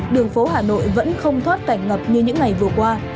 đường phố hà nội vẫn không thoát cảnh ngập như những ngày vừa qua